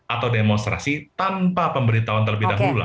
atau demonstrasi tanpa pemberitahuan terlebih dahulu